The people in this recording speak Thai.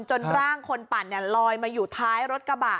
จนร่างคนปั่นลอยมาอยู่ท้ายรถกระบะ